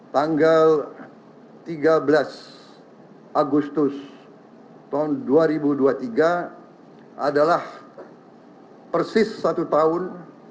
tanggal tiga belas agustus tahun dua ribu dua puluh tiga adalah persis satu tahun